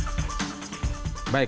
baik sebelum kembali